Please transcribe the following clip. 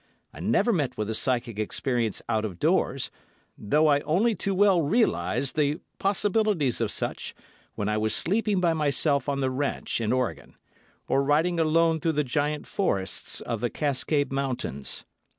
I never met with a psychic experience out of doors, though I only too well realised the possibilities of such when I was sleeping by myself on the ranche in Oregon, or riding alone through the giant forests of the Cascades mountains.